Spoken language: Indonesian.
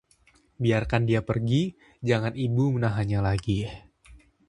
biarkan dia pergi, jangan Ibu menahannya lagi